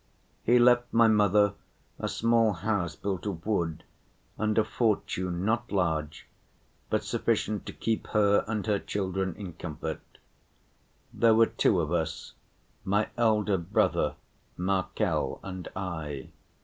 He left my mother a small house built of wood, and a fortune, not large, but sufficient to keep her and her children in comfort. There were two of us, my elder brother Markel and I.